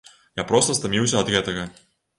Я проста стаміўся ад гэтага.